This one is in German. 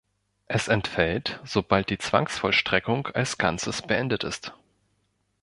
Es entfällt, sobald die Zwangsvollstreckung als Ganzes beendet ist.